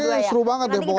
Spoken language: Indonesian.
ya ini seru banget ya pokoknya